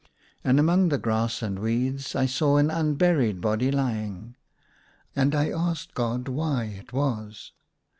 And among the grass and weeds I saw an unburied body lying ; and I asked God why it was.